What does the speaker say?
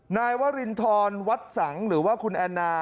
นายวรินทรวัดสังหรือว่าคุณแอนนา